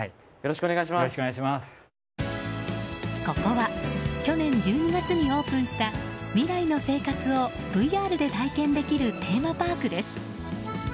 ここは去年１２月にオープンした未来の生活をＶＲで体験できるテーマパークです。